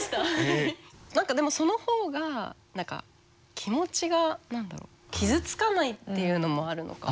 何かでもその方が何か気持ちが何だろう傷つかないっていうのもあるのかな。